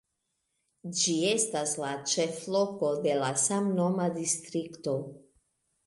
Ĝi estas la ĉefloko de la samnoma distrikto.